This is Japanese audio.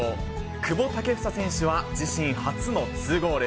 久保建英選手は、自身初の２ゴール。